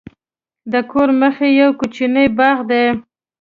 د کور مخته یو کوچنی باغ دی.